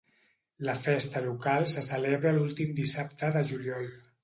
La festa local se celebra l'últim dissabte de juliol.